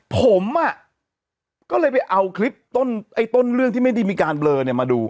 ผมอ่ะก็เลยไปเอาคลิปต้นไอ้ต้นเรื่องที่ไม่ได้มีการเบลอมาดู